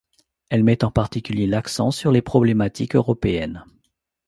Elle met en particulier l'accent sur les problématiques européennes.